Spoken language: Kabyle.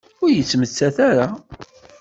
Ur yettmettat ara.